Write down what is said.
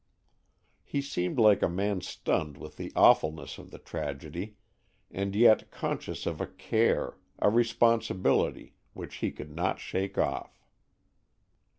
He seemed like a man stunned with the awfulness of the tragedy, and yet conscious of a care, a responsibility, which he could not shake off.